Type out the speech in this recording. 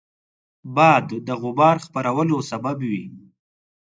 باد د غبار خپرولو سبب وي